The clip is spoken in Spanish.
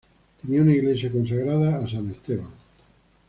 Tenía una iglesia consagrada a San Esteban.